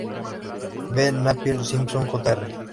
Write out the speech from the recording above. B. Napier Simpson, Jr.